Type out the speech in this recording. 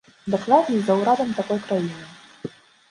Дакладней, за ўрадам такой краіны.